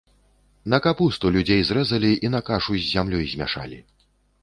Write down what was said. На капусту людзей зрэзалі і на кашу з зямлёй змяшалі.